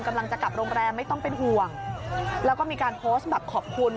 กำลังจะกลับโรงแรมไม่ต้องเป็นห่วงแล้วก็มีการโพสต์แบบขอบคุณ